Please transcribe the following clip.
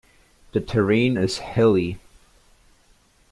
The terrain is hilly.